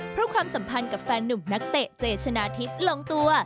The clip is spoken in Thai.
เพราะความสัมพันธ์กับแฟนหนุ่มนักเตะเจชนะทิพย์ลงตัว